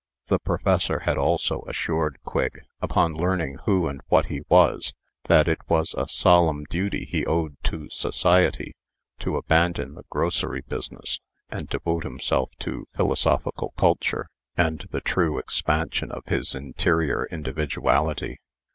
The professor had also assured Quigg, upon learning who and what he was, that it was a solemn duty he owed to society to abandon the grocery business, and devote himself to "philosophical culture, the development of the humanities, and the true expansion of his interior individuality."